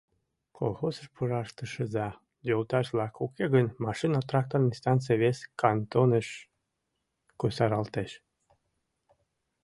Колхозыш пураш тыршыза, йолташ-влак, уке гын, машинно-тракторный станций вес кантоныш кусаралтеш.